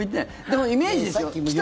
でも、イメージですよ